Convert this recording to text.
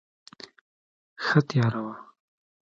ښه تیاره وه.